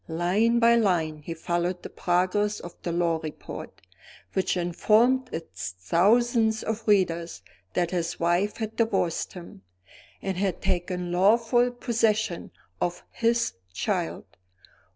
Line by line he followed the progress of the law report, which informed its thousands of readers that his wife had divorced him, and had taken lawful possession of his child.